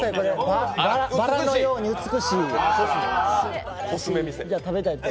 バラのように美しい。